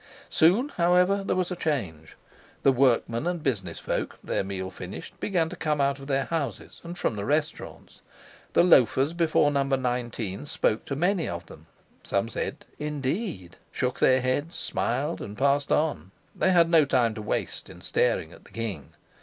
Soon, however, there was a change. The workmen and business folk, their meal finished, began to come out of their houses and from the restaurants. The loafers before No. 19 spoke to many of them. Some said, "Indeed?" shook their heads, smiled and passed on: they had no time to waste in staring at the king.